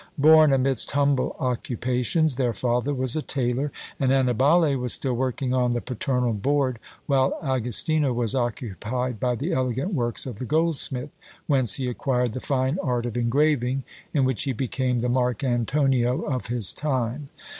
Born amidst humble occupations, their father was a tailor, and Annibale was still working on the paternal board, while Agostino was occupied by the elegant works of the goldsmith, whence he acquired the fine art of engraving, in which he became the Marc Antonio of his time.